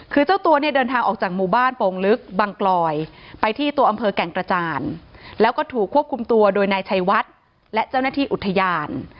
คือเจ้าตัวเนี่ยเดินทางออกจากหมู่บ้านโป่งลึกบังกลอยไปที่ตัวอำเภอแก่งกระจานแล้วก็ถูกควบคุมตัวโดยนายชัยวัดและเจ้าหน้าที่อุทยาน